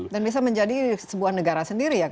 dan bisa menjadi sebuah negara sendiri ya